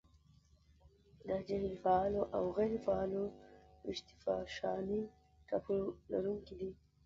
دا جهیل فعالو او غیرو فعالو اتشفشاني ټاپو لرونکي دي.